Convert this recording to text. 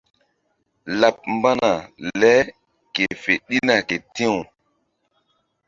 Laɓ mbana le ke fe ɗina ke ti̧w.